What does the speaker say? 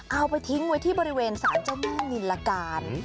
เอาไปทิ้งไว้ที่บริเวณสารเจ้าแม่นิลการ